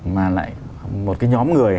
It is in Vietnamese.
mà lại một cái nhóm người